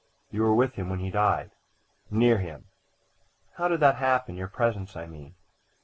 "You were with him when he died?" "Near him." "How did that happen your presence, I mean?"